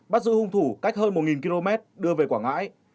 bắt giữ hung thủ cách hơn một km đưa về quảng ngãi